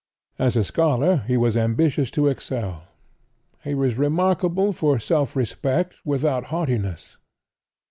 As a scholar he was ambitious to excel. He was remarkable for self respect, without haughtiness.